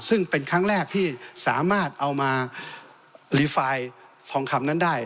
ซึ่งเป็นครั้งแรกที่สามารถเอามารีไฟล์ทองคำนั้นได้